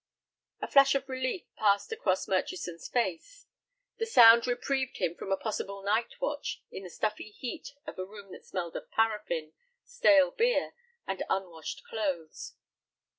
A flash of relief passed across Murchison's face. The sound reprieved him from a possible night watch in the stuffy heat of a room that smelled of paraffin, stale beer, and unwashed clothes.